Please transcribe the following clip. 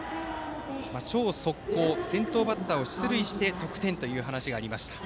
超速攻、先頭バッターを出塁させて得点という話がありました。